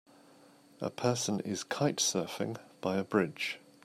A person is kite surfing by a bridge.